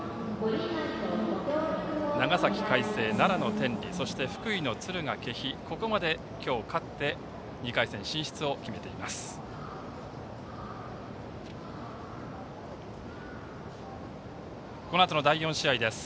長崎・海星、奈良の天理そして福井の敦賀気比がここまで今日勝って２回戦進出を決めています。